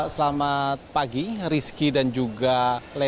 selamat pagi rizky dan juga lady